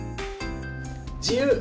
「自由」。